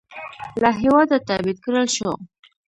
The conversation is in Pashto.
له هېواده تبعید کړل شو.